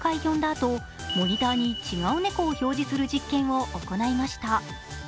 あとモニターに違う猫を表示する実験を行いました。